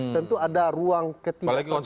tentu ada ruang ketidakpercayaan yang penuh